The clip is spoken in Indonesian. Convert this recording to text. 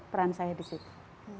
peran saya disitu